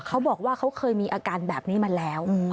เขาบอกว่าเขาเคยมีอาการแบบนี้มาแล้ว